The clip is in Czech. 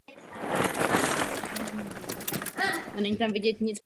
Ve středověké a raně novověké Evropě hrozil za sodomii až trest smrti.